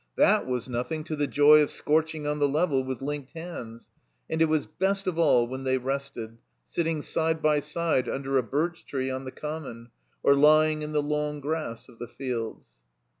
That was nothing to the joy of scorching on the level with linked hands. And it was best of all when they rested, sitting side by side under a birch tree ontiie Common, or Ijring in the long grass of the fileds.